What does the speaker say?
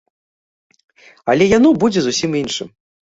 Але яно будзе зусім іншым.